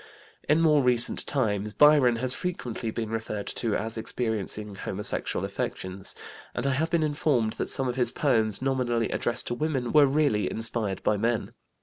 In more recent times Byron has frequently been referred to as experiencing homosexual affections, and I have been informed that some of his poems nominally addressed to women were really inspired by men.